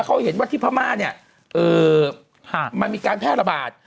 เขาเห็นว่าที่พม่าเนี่ยมันมีการแพร่ระบาด